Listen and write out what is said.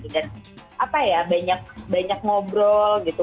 dan apa ya banyak ngobrol gitu